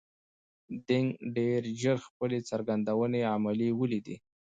دینګ ډېر ژر خپلې څرګندونې عملاً ولیدې.